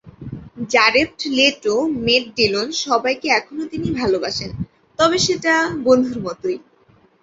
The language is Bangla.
জারেপড লেটো, ম্যাট ডিলন সবাইকে এখনো তিনি ভালোবাসেন, তবে সেটা বন্ধুর মতোই।